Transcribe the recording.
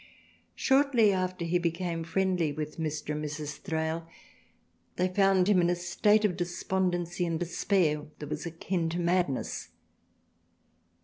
Shortly after he became friendly with Mr. and Mrs. Thrale they found him in a state of despondency and despair, that was akin to madness.